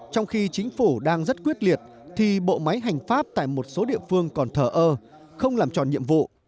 trong khi chính phủ đang rất quyết liệt thì bộ máy hành pháp tại một số địa phương còn thở ơ không làm tròn nhiệm vụ